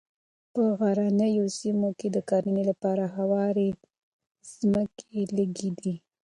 په غرنیو سیمو کې د کرنې لپاره هوارې مځکې لږې دي.